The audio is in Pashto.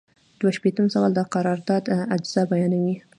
دوه شپیتم سوال د قرارداد اجزا بیانوي.